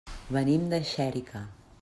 Venim de Xèrica.